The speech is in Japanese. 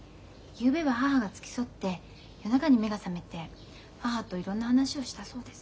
ゆうべは母が付き添って夜中に目が覚めて母といろんな話をしたそうです。